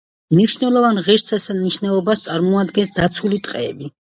მნიშვნელოვან ღირსშესანიშნაობას წარმოადგენს დაცული ტყეები.